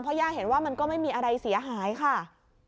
ย่าเห็นว่ามันก็ไม่มีอะไรเสียหายค่ะ